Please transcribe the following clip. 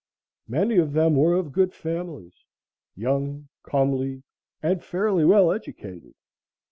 Many of them were of good families, young, comely, and fairly well educated.